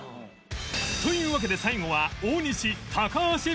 というわけで最後は大西高橋ペア